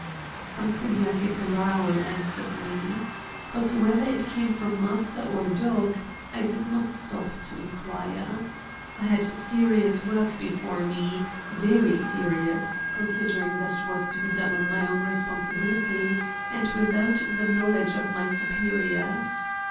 Something like a growl answered me. But whether it came from master or dog, I did not stop to inquire. I had serious work before me; very serious, considering that it was to be done on my own responsibility and without the knowledge of my superiors.